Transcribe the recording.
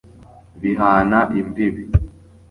bihana imbibi